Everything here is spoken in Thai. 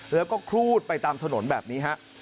แล้วก็ครูดไปตามถนนแบบนี้ฮะ